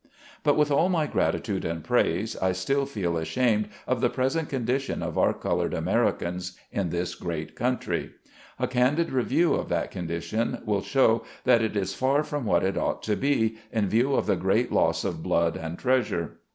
But, with all my gratitude and praise, I still feel ashamed of the present condition of our colored Americans, in this great country. A candid review of that condition will show that it is far from what it ought to be, in view of the great loss of blood and treasure.